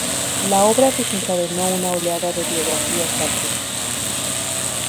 La obra desencadenó una oleada de biografías de artistas.